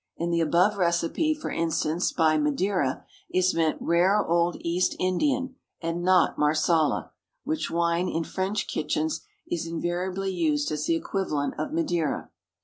In the above recipe for instance by "madeira," is meant "Rare Old East Indian," and not marsala, which wine, in French kitchens, is invariably used as the equivalent of madeira.